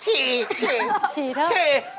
ชิตูนไหน